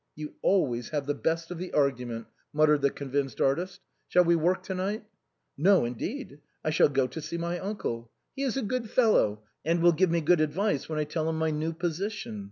" You always have the best of the argument," muttered the convinced artist. " Shall we work to night ?" THE BILLOWS OF PACTOLUS. 87 " No, indeed ! I shall go to see my uncle. He is a good fellow, and will give me good advice when I tell him my new position.